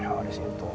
oh ada situ